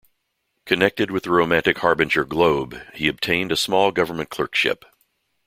Connected with the romantic harbinger "Globe", he obtained a small government clerkship.